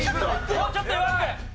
もうちょっと弱く！